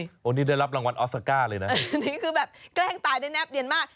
คุณดูสิโอนี่ได้รับรางวัลออสก้าเลยนะนี่คือแบบแกล้งตายได้แนบเดียนมาก